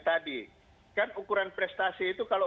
tadi kan ukuran prestasi itu kalau